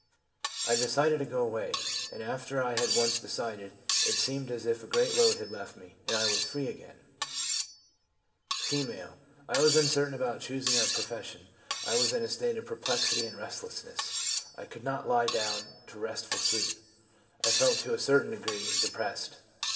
I decided to go away ; and after I had once decided, it seemed as if a great load had left me, and I was free again/ F. ' I was uncertain about choosing a profession. I was in a state of perplexity and restlessness ; I could not lie down to restful sleep. I felt to a certain degree de pressed.